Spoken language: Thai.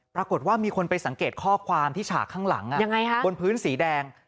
ปรากฏว่ามีคนไปสังเกตข้อความที่ฉากข้างหลังบนพื้นสีแดง